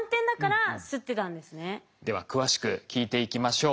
では詳しく聞いていきましょう。